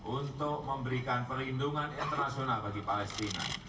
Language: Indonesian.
untuk memberikan perlindungan internasional bagi palestina